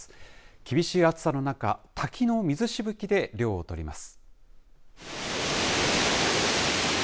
厳しい暑さの中、滝の水しぶきで涼を取ります。